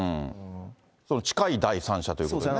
近い第三者ということですね。